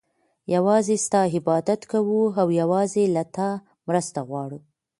يوازي ستا عبادت كوو او يوازي له تا مرسته غواړو